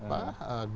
rekan tulisert empat